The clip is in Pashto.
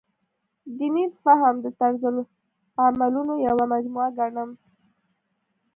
دیني فهم د طرزالعملونو یوه مجموعه ګڼم.